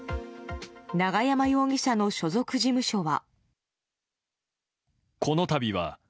永山容疑者の所属事務所は。